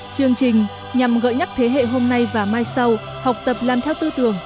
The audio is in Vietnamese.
chương trình nhằm gợi nhắc thế hệ hôm nay và mai sau học tập làm theo tư tưởng